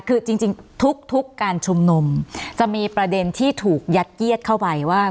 คือจริงทุกการชุมนุมจะมีประเด็นที่ถูกยัดเยียดเข้าไปว่า